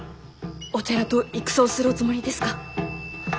お寺と戦をするおつもりですか？